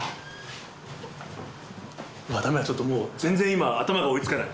だめだ、ちょっと、全然今、頭が追いつかない。